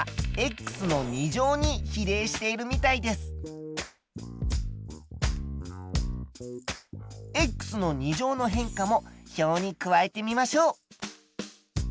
つまりの２乗の変化も表に加えてみましょう。